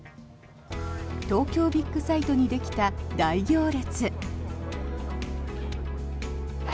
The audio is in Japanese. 東京ビッグサイトにできた大行列。